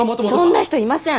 そんな人いません。